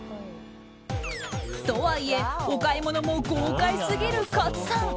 とはいえお買い物も豪快すぎる勝さん。